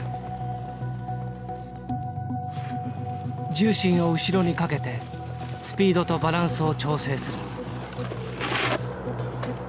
重心を後ろにかけてスピードとバランスを調整する。